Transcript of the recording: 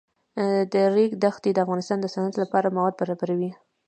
د ریګ دښتې د افغانستان د صنعت لپاره مواد برابروي.